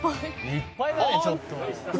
「いっぱいだねちょっと」